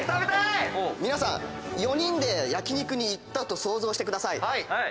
皆さん４人で焼肉に行ったと想像してください。